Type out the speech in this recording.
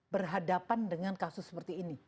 berhadapan dengan kasus seperti ini